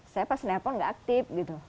saya pas telepon nggak aktif gitu